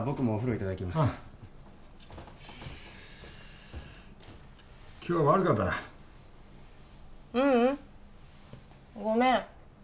うん今日悪かったなううんごめん